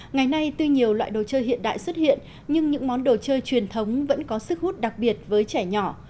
ngày nay tuy nhiều loại đồ chơi hiện đại xuất hiện nhưng những món đồ chơi truyền thống vẫn có sức hút đặc biệt với trẻ nhỏ